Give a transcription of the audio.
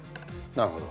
なるほど。